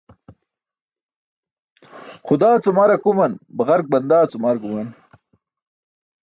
Xudaa cum ar akuman, baġark bandaa cum ar guman.